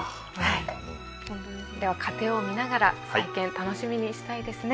では過程を見ながら再建楽しみにしたいですね。